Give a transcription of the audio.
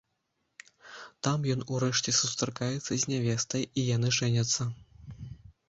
Там ён урэшце сустракаецца з нявестай, і яны жэняцца.